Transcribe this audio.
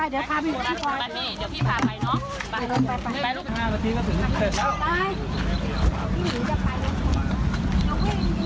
เดี๋ยวพาพี่ไป